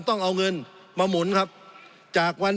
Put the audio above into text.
สงบจนจะตายหมดแล้วครับ